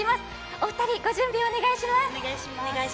お二人、ご準備お願いします。